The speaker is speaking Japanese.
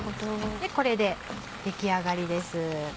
これで出来上がりです。